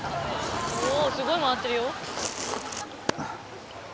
おすごい回ってるよ。